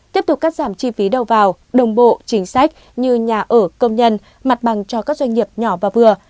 tiếp tục cắt giảm chi phí đầu vào đồng bộ chính sách như nhà ở công nhân mặt bằng cho các doanh nghiệp nhỏ và vừa